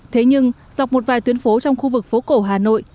thế nhưng dọc một vài tuyến phố trong khu vực phố cổ hà nội